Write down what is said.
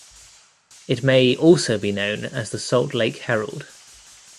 It may also be known as the Salt Lake Herald.